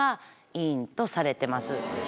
いいとされてます。